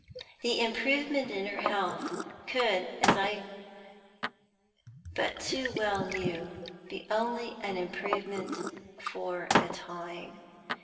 The improvement in her health could, as I but too well knew, be only an improvement for a time.